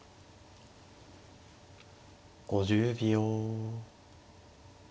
５０秒。